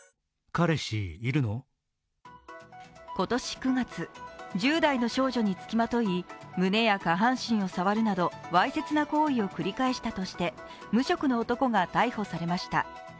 今年９月、１０代の少女につきまとい胸や下半身を触るなど、わいせつな行為を繰り返したとして無職の男が逮捕されました。